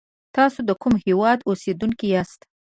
تاسی دکوم هیواد اوسیدونکی یاست